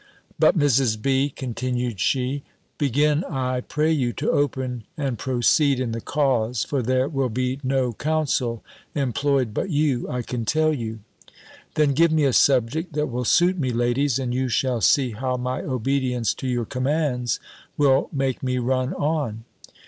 "But, Mrs. B.," continued she, "begin, I pray you, to open and proceed in the cause; for there will be no counsel employed but you, I can tell you." "Then give me a subject that will suit me, ladies, and you shall see how my obedience to your commands will make me run on."